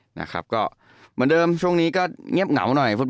เหมือนเดิมช่วงนี้คงจะเงียบเหงาหน่อย